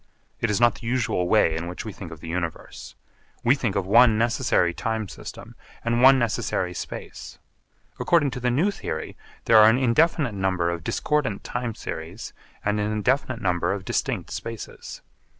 It is not the usual way in which we think of the Universe. We think of one necessary time system and one necessary space. According to the new theory, there are an indefinite number of discordant time series and an indefinite number of distinct spaces.